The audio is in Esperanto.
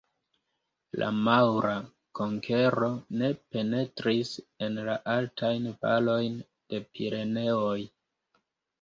La maŭra konkero ne penetris en la altajn valojn de Pireneoj.